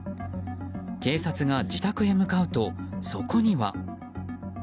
警察が自宅へ向かうとそこには。